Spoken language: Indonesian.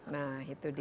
nah itu dia